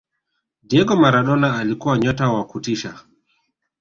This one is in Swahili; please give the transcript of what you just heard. diego maradona alikuwa nyota wa kutisha